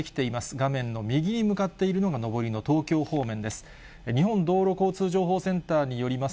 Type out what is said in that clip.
画面の右に向かっているのが、上りの東京方面です。